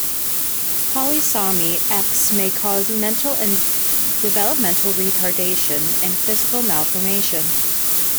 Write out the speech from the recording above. Polysomy X may cause mental and developmental retardation and physical malformation.